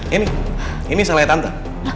ini ini salahnya tante